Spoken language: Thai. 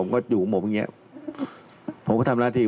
ในช่องชายการเมือง